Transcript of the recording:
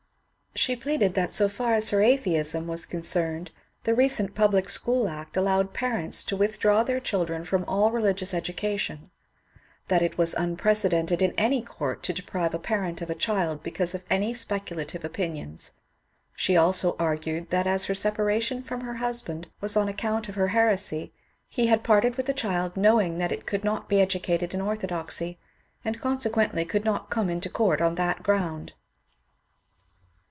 She pleaded that so far as her atheism was con cerned, the recent Public School Act allowed parents to with draw their children from all religious education ; that it was unprecedented in any court to deprive a parent of a child because of any speculative opinions. She also argued that as her separation from her husband was on account of her heresy, he had parted with the child knowing that it could not be educated in orthodoxy, and consequently could not oome into court on that ground.